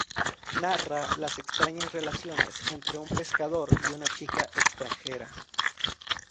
Narra las extrañas relaciones entre un pescador y una chica extranjera.